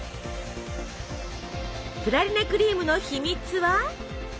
プラリネクリームの秘密は？